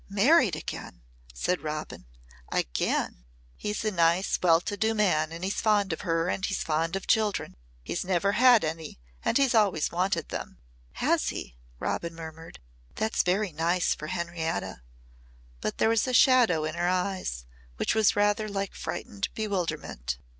"Married again!" said Robin. "Again!" "He's a nice well to do man and he's fond of her and he's fond of children. He's never had any and he's always wanted them." "Has he?" Robin murmured. "That's very nice for Henrietta." But there was a shadow in her eyes which was rather like frightened bewilderment.